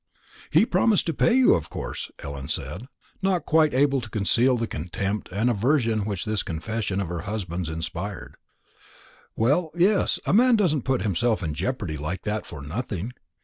"He promised to pay you, of course?" Ellen said, not quite able to conceal the contempt and aversion which this confession of her husband's inspired. "Well, yes, a man doesn't put himself in jeopardy like that for nothing.